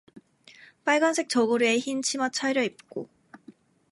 빨간색 저고리에 흰 치마 차려 입고